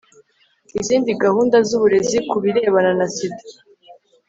izindi gahunda z uburezi ku birebana na sida